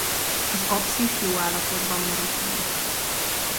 Az apszis jó állapotban maradt meg.